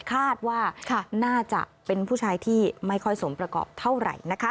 คาดว่าน่าจะเป็นผู้ชายที่ไม่ค่อยสมประกอบเท่าไหร่นะคะ